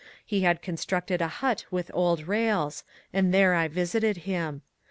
He had constructed a hut with old rails, and there I visited him.